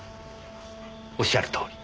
おっしゃるとおり。